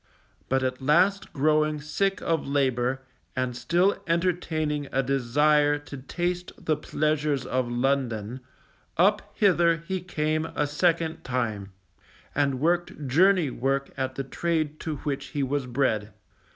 But at last growing sick of labour, and still entertaining a desire to taste the pleasures of London, up hither he came a second time, and worked journey work at the trade to which he was bred.